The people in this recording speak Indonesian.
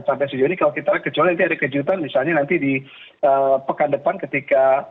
sampai sejauh ini kalau kita kecuali nanti ada kejutan misalnya nanti di pekan depan ketika